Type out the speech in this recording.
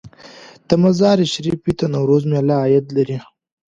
د مزار شریف د نوروز میله عاید لري؟